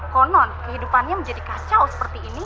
konon kehidupannya menjadi kacau seperti ini